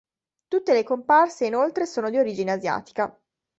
Tutte le comparse, inoltre, sono di origine asiatica.